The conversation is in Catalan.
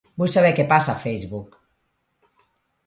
Vull saber què passa a Facebook.